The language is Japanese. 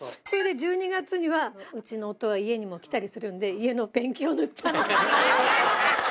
それで１２月には、うちの夫は家にも来たりするんで、家のペンキを塗ったの。